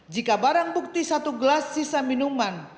jika barang bukti satu gelas sisa minuman